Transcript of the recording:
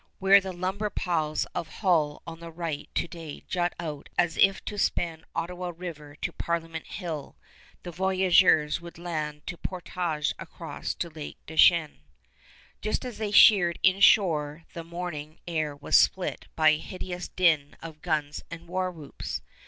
Where the lumber piles of Hull on the right to day jut out as if to span Ottawa River to Parliament Hill, the voyageurs would land to portage across to Lake Du Chêne. Just as they sheered inshore the morning air was split by a hideous din of guns and war whoops.